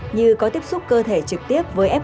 như có tiếp xúc cơ thể trực tiếp với f một